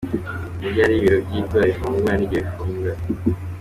Ni ryari ibiro by’itora bifungura n’igihe bifunga ?